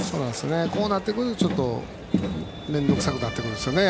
こうなってくるとちょっと面倒くさくなってくるんですよね。